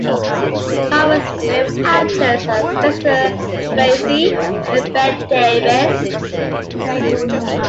Carver's favorite actors are Spencer Tracy and Bette Davis.